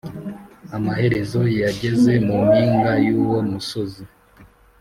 Amaherezo yageze mu mpinga y’uwo musozi